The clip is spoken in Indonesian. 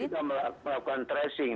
sekarang kita melakukan tracing